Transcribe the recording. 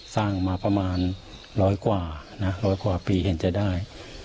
สร้างมาประมาณร้อยกว่านะร้อยกว่าปีเห็นจะได้